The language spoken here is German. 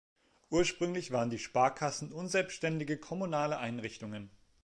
Ursprünglich waren die Sparkassen unselbstständige kommunale Einrichtungen.